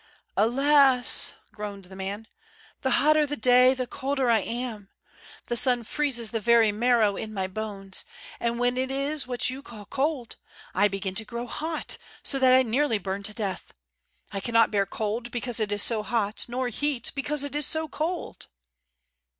"Alas!" groaned the man, "the hotter the day the colder I am; the sun freezes the very marrow in my bones; and when it is what you call cold, I begin to grow hot, so that I nearly burn to death. I cannot bear cold because it is so hot, nor heat because it is so cold."